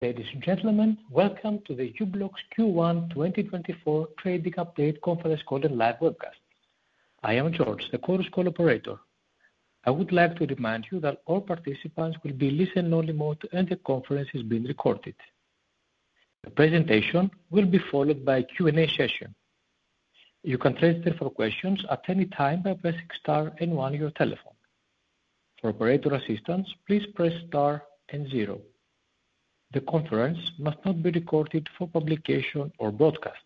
Ladies and gentlemen, welcome to the U-blox Q1 2024 Trading Update Conference Call and Live Webcast. I am George, the conference call operator. I would like to remind you that all participants will be in listen-only mode, and the conference is being recorded. The presentation will be followed by a Q&A session. You can raise different questions at any time by pressing star and one on your telephone. For operator assistance, please press star and zero. The conference must not be recorded for publication or broadcast.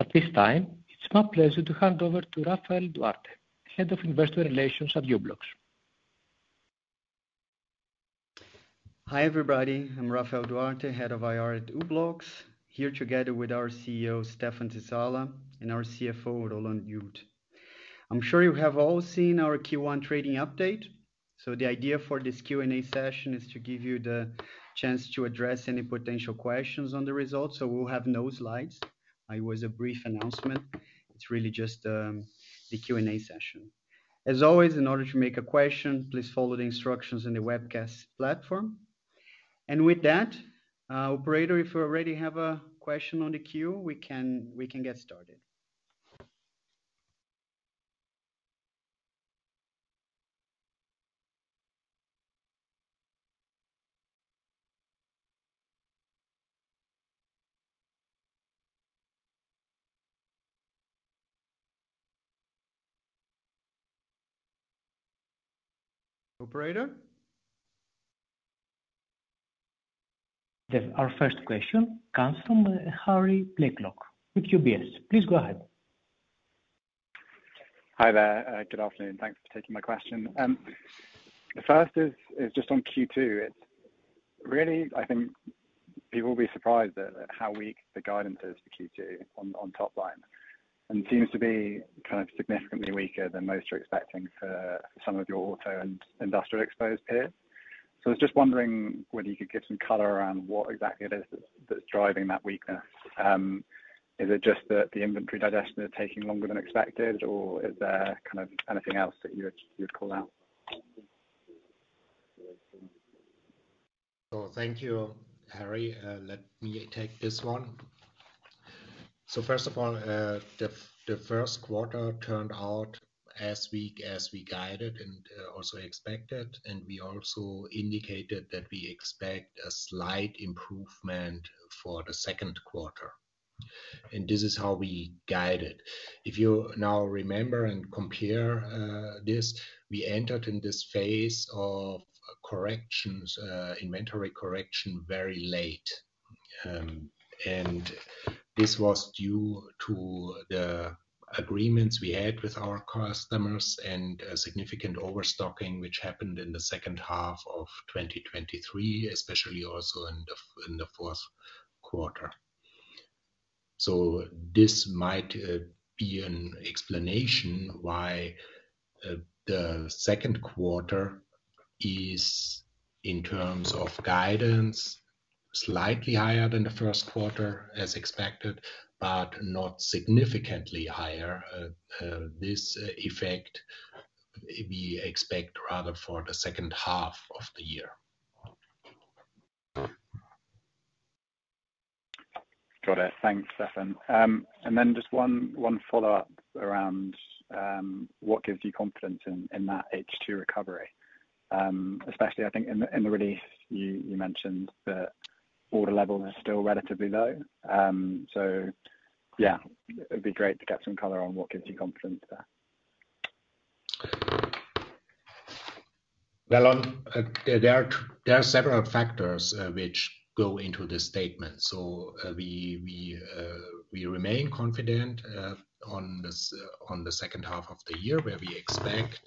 At this time, it's my pleasure to hand over to Rafael Duarte, Head of Investor Relations at u-blox. Hi, everybody. I'm Rafael Duarte, Head of IR at u-blox, here together with our CEO, Stephan Zizala, and our CFO, Roland Jud. I'm sure you have all seen our Q1 trading update, so the idea for this Q&A session is to give you the chance to address any potential questions on the results, so we'll have no slides. It was a brief announcement. It's really just the Q&A session. As always, in order to make a question, please follow the instructions in the webcast platform. And with that, operator, if you already have a question on the queue, we can get started. Operator? Our first question comes from Harry Blakelock with UBS. Please go ahead. Hi there. Good afternoon. Thanks for taking my question. The first is just on Q2. It's really, I think people will be surprised at how weak the guidance is for Q2 on top line, and seems to be kind of significantly weaker than most are expecting for some of your auto and industrial exposed peers. So I was just wondering whether you could give some color around what exactly it is that's driving that weakness. Is it just that the inventory digestion is taking longer than expected, or is there kind of anything else that you would call out? So thank you, Harry. Let me take this one. So first of all, the first quarter turned out as weak as we guided and also expected, and we also indicated that we expect a slight improvement for the second quarter. And this is how we guide it. If you now remember and compare this, we entered in this phase of corrections, inventory correction, very late. And this was due to the agreements we had with our customers and a significant overstocking, which happened in the second half of 2023, especially also in the fourth quarter. So this might be an explanation why the second quarter is, in terms of guidance, slightly higher than the first quarter, as expected, but not significantly higher. This effect we expect rather for the second half of the year. Got it. Thanks, Stephan. And then just one follow-up around what gives you confidence in that H2 recovery? Especially I think in the release, you mentioned that order levels are still relatively low. So yeah, it'd be great to get some color on what gives you confidence there. Well, on, there are several factors which go into this statement. So, we remain confident on the second half of the year, where we expect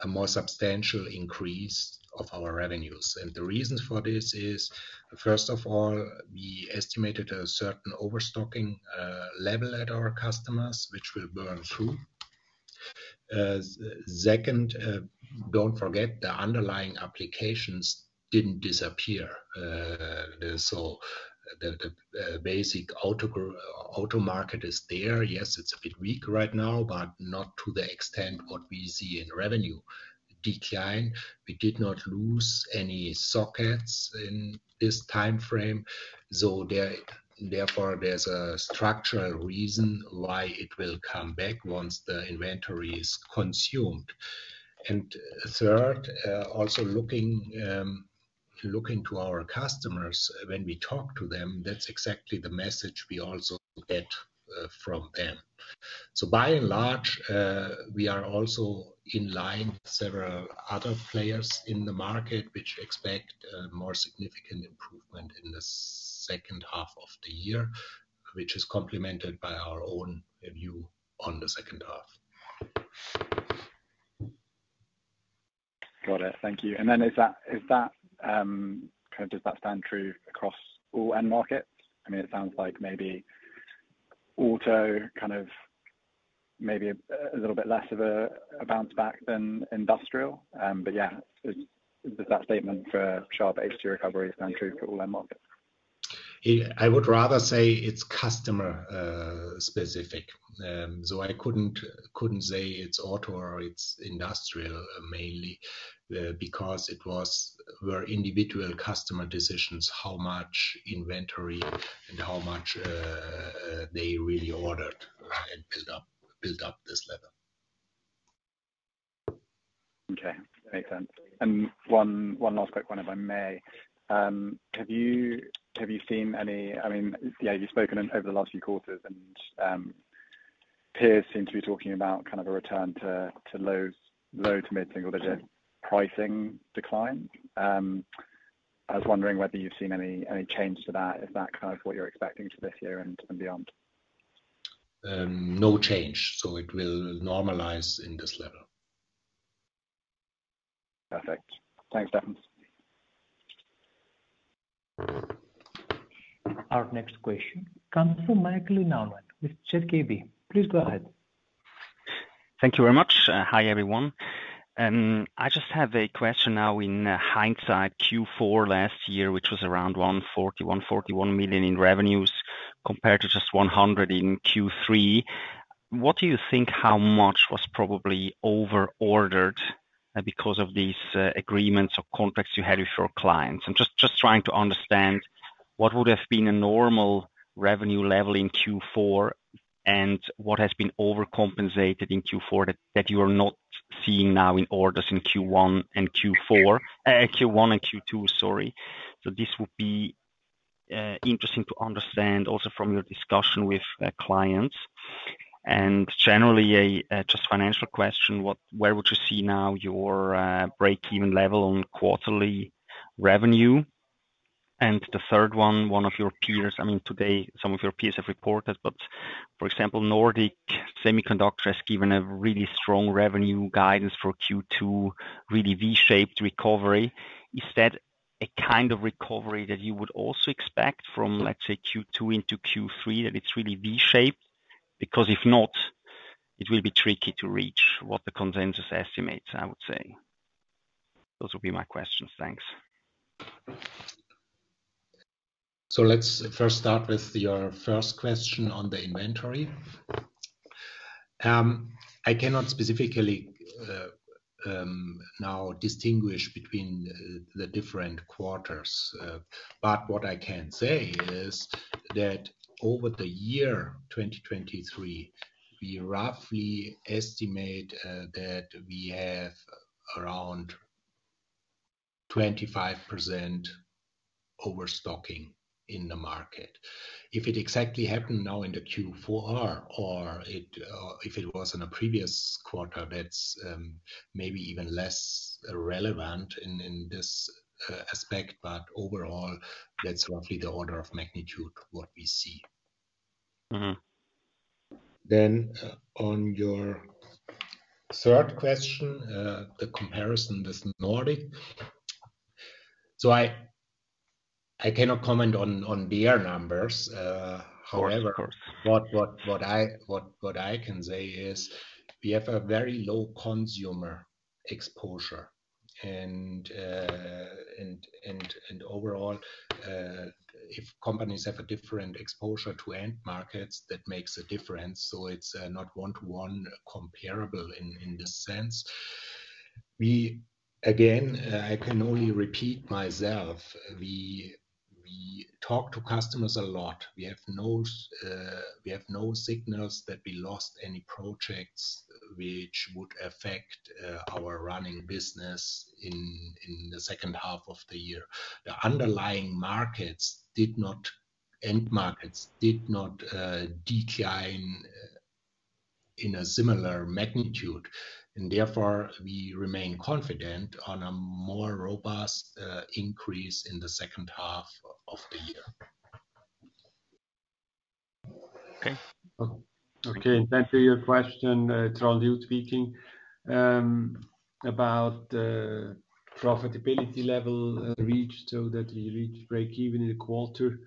a more substantial increase of our revenues. And the reason for this is, first of all, we estimated a certain overstocking level at our customers, which will burn through. Second, don't forget, the underlying applications didn't disappear. So the basic auto market is there. Yes, it's a bit weak right now, but not to the extent what we see in revenue decline. We did not lose any sockets in this timeframe, so therefore, there's a structural reason why it will come back once the inventory is consumed. Third, also looking to our customers, when we talk to them, that's exactly the message we also get from them. So by and large, we are also in line with several other players in the market, which expect a more significant improvement in the second half of the year, which is complemented by our own view on the second half. Got it. Thank you. And then is that kind of does that stand true across all end markets? I mean, it sounds like maybe auto kind of maybe a little bit less of a bounce back than industrial. But yeah, does that statement for sharp H2 recovery stand true for all end markets? I would rather say it's customer specific. So I couldn't say it's auto or it's industrial, mainly because it was individual customer decisions, how much inventory and how much they really ordered and build up this level. Okay, makes sense. One last quick one, if I may. Have you seen any—I mean, yeah, you've spoken over the last few quarters, and peers seem to be talking about kind of a return to low to mid-single digit pricing decline. I was wondering whether you've seen any change to that. Is that kind of what you're expecting for this year and beyond? No change. So it will normalize in this level. Perfect. Thanks, Stephan. Our next question comes from Michael Nawrath with ZKB. Please go ahead. Thank you very much. Hi, everyone. I just have a question now in hindsight, Q4 last year, which was around 140 million, 141 million in revenues, compared to just 100 million in Q3. What do you think how much was probably over ordered because of these agreements or contracts you had with your clients? I'm just trying to understand what would have been a normal revenue level in Q4, and what has been overcompensated in Q4 that you are not seeing now in orders in Q1 and Q2, sorry. So this would be interesting to understand also from your discussion with clients. And generally, just financial question, what, where would you see now your break-even level on quarterly revenue? And the third one, one of your peers, I mean, today, some of your peers have reported, but for example, Nordic Semiconductor has given a really strong revenue guidance for Q2, really V-shaped recovery. Is that a kind of recovery that you would also expect from, let's say, Q2 into Q3, that it's really V-shaped? Because if not, it will be tricky to reach what the consensus estimates, I would say. Those would be my questions. Thanks. So let's first start with your first question on the inventory. I cannot specifically now distinguish between the different quarters, but what I can say is that over the year 2023, we roughly estimate that we have around 25% overstocking in the market. If it exactly happened now in the Q4, or it if it was in a previous quarter, that's maybe even less relevant in this aspect, but overall, that's roughly the order of magnitude what we see. Mm-hmm. Then on your third question, the comparison with Nordic. So I, I cannot comment on, on their numbers. Of course. However, what I can say is we have a very low consumer exposure, and overall, if companies have a different exposure to end markets, that makes a difference. So it's not one-to-one comparable in this sense. Again, I can only repeat myself, we talk to customers a lot. We have no signals that we lost any projects which would affect our running business in the second half of the year. The end markets did not decline in a similar magnitude, and therefore, we remain confident on a more robust increase in the second half of the year. Okay. Okay, and back to your question, Roland, you speaking about the profitability level reached, so that we reach break even in a quarter.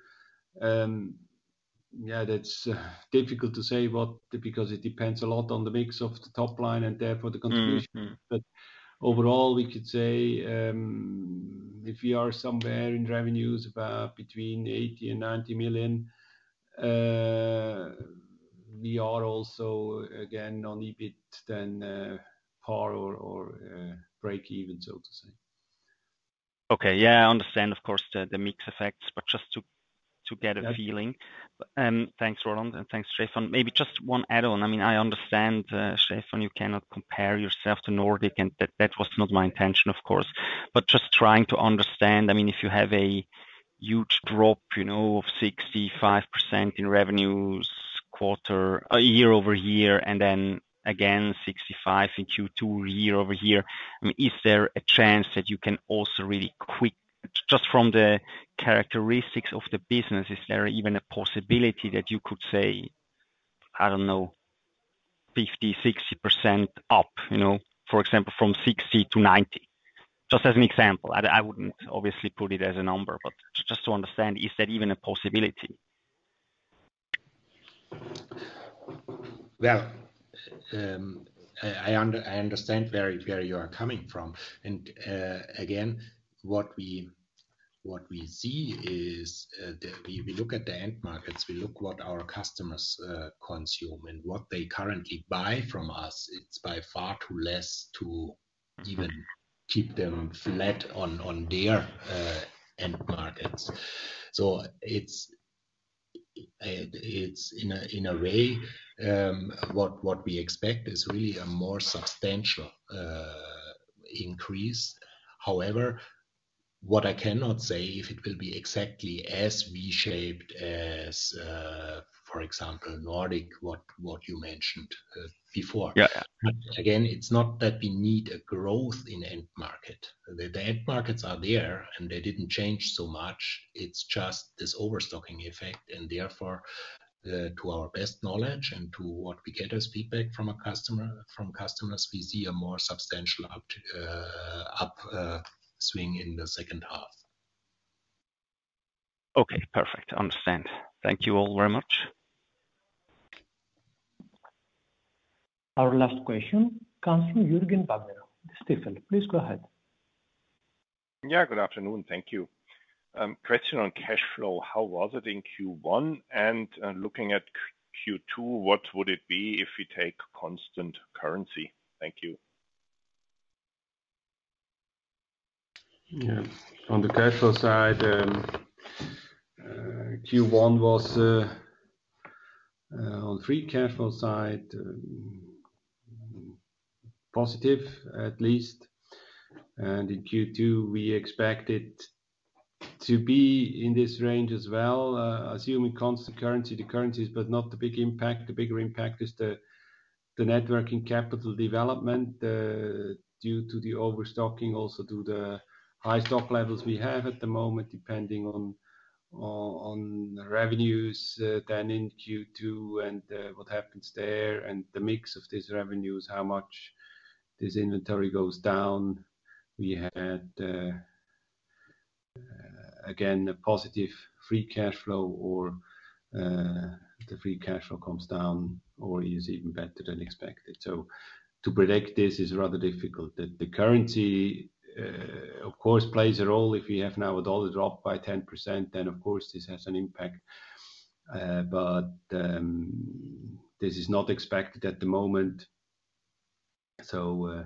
Yeah, that's difficult to say, but because it depends a lot on the mix of the top line and therefore the contribution. Mm-hmm. But overall, we could say if we are somewhere in revenues about between 80 million and 90 million, we are also, again, on EBIT then par or break even, so to say. Okay. Yeah, I understand, of course, the mix effects, but just to get a feeling. Yep. Thanks, Roland, and thanks, Stephan. Maybe just one add-on. I mean, I understand, Stephan, you cannot compare yourself to Nordic, and that, that was not my intention, of course. But just trying to understand, I mean, if you have a huge drop, you know, of 65% in revenues quarter-- year-over-year, and then again, 65% in Q2 year-over-year, I mean, is there a chance that you can also really quick-- Just from the characteristics of the business, is there even a possibility that you could say, I don't know, 50%, 60% up, you know, for example, from 60 to 90? Just as an example. I, I wouldn't obviously put it as a number, but just to understand, is that even a possibility? Well, I understand where you are coming from. And again, what we see is we look at the end markets, we look what our customers consume and what they currently buy from us. It's by far too less to even keep them flat on their end markets. So it's in a way what we expect is really a more substantial increase. However, what I cannot say if it will be exactly as V-shaped as, for example, Nordic, what you mentioned before. Yeah. But again, it's not that we need a growth in end market. The end markets are there, and they didn't change so much. It's just this overstocking effect, and therefore, to our best knowledge and to what we get as feedback from a customer, from customers, we see a more substantial upswing in the second half. Okay, perfect. Understand. Thank you all very much. Our last question comes from Jürgen Wagner, Stifel. Please go ahead. Yeah, good afternoon. Thank you. Question on cash flow, how was it in Q1? And, looking at Q2, what would it be if we take constant currency? Thank you. Yeah. On the cash flow side, Q1 was on free cash flow side, positive, at least. And in Q2, we expect it to be in this range as well, assuming constant currency, the currencies, but not the big impact. The bigger impact is the net working capital development, due to the overstocking, also due to the high stock levels we have at the moment, depending on the revenues then in Q2 and what happens there, and the mix of these revenues, how much this inventory goes down. We had again a positive free cash flow, or the free cash flow comes down or is even better than expected. So to predict this is rather difficult. The currency of course plays a role. If you have now a US dollar drop by 10%, then of course this has an impact. But, this is not expected at the moment. So,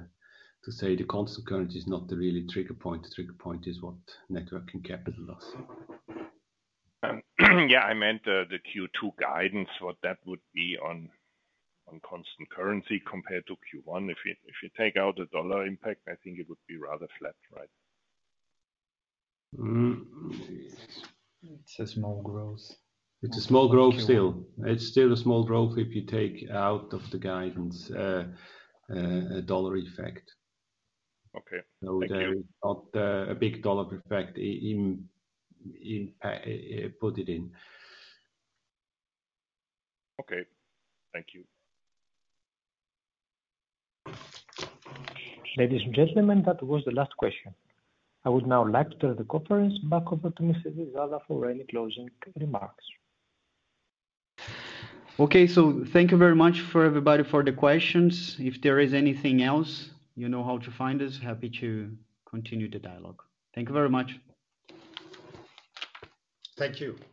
to say the constant currency is not the really trigger point. The trigger point is what net working capital loss. Yeah, I meant the Q2 guidance, what that would be on constant currency compared to Q1. If you take out the US dollar impact, I think it would be rather flat, right? Mm. It's a small growth. It's a small growth still. It's still a small growth if you take out of the guidance, dollar effect. Okay. Thank you. There is not a big dollar effect in put it in. Okay. Thank you. Ladies and gentlemen, that was the last question. I would now like to turn the conference back over to Mr. Zizala for any closing remarks. Okay, so thank you very much for everybody for the questions. If there is anything else, you know how to find us. Happy to continue the dialogue. Thank you very much. Thank you.